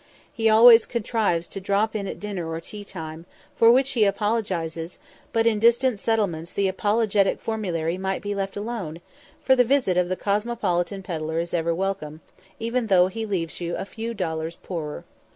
He always contrives to drop in at dinner or tea time, for which he always apologises, but in distant settlements the apologetic formulary might be left alone, for the visit of the cosmopolitan pedlar is ever welcome, even though he leaves you a few dollars poorer.